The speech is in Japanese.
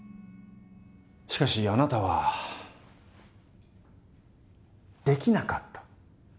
しかしあなたはできなかった。